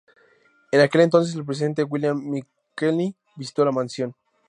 En aquel entonces el presidente William McKinley visitó la mansión.